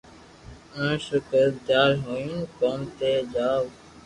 ناݾتو ڪرين تيار ھوئين ڪوم تي جاوُث